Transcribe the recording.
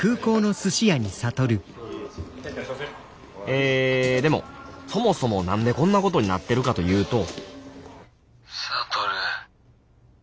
えでもそもそも何でこんなことになってるかというと諭。